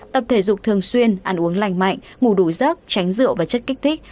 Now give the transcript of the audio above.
tập thể dục thường xuyên ăn uống lành mạnh ngủ đủ rớt tránh rượu và chất kích thích